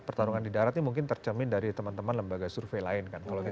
pertarungan di darat ini mungkin tercermin dari teman teman lembaga survei lain kan kalau gitu ya